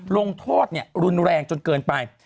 ลงโทษรุนแรงจนเกินไป